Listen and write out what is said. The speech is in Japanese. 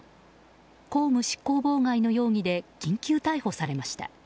公務執行妨害の容疑で緊急逮捕されました。